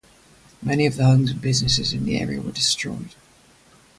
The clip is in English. Many of the homes and businesses in the area were destroyed.